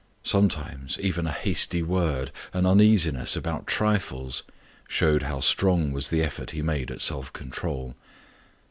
Sometimes even a hasty word, an uneasiness about trifles, showed how strong was the effort he made at self control.